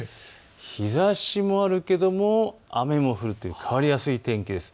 日ざしもあるけれども雨も降るという変わりやすい天気です。